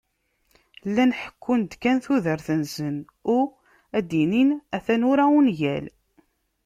Llan ḥekkun-d kan tudert-nsen, u ad d-inin ata nura ungal.